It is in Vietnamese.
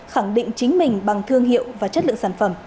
khẳng định chính mình bằng thương hiệu và chất lượng sản phẩm